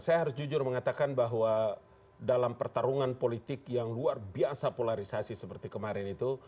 saya harus jujur mengatakan bahwa dalam pertarungan politik yang luar biasa polarisasi seperti kemarin itu